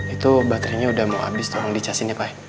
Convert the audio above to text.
itu baterainya udah mau habis tolong dicasin ya pak